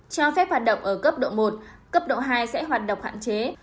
cho phép hoạt động ở cấp độ một cấp độ hai sẽ hoạt động hạn chế